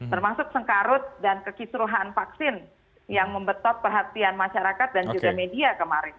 termasuk sengkarut dan kekisruhan vaksin yang membetot perhatian masyarakat dan juga media kemarin